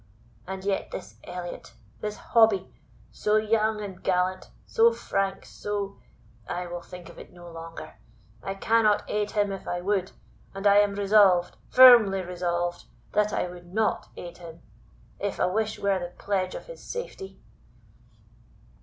And yet this Elliot this Hobbie, so young and gallant, so frank, so I will think of it no longer. I cannot aid him if I would, and I am resolved firmly resolved, that I would not aid him, if a wish were the pledge of his safety!"